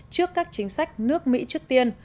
trước các chính sách nước mỹ trước tiên